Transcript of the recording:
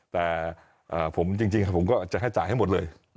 แต่ผมจริงผมก็จะให้จ่ายให้หมดเลย